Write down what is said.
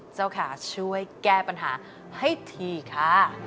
เจ้าขาช่วยแก้ปัญหาให้ทีค่ะ